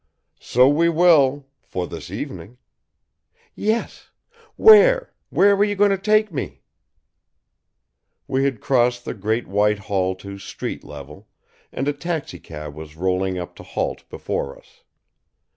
"So we will; for this evening." "Yes. Where where were you going to take me?" We had crossed the great white hall to street level, and a taxicab was rolling up to halt before us.